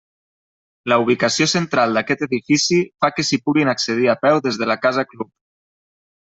La ubicació central d'aquest edifici fa que s'hi pugui accedir a peu des de la casa club.